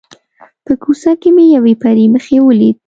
په کوڅه کې مې یوې پري مخې ولیده.